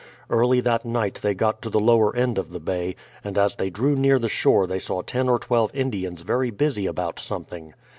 Early that night they got to the lower end of the bay, and as they drew near the shore they saw ten or twelve Indians very busy about some thing.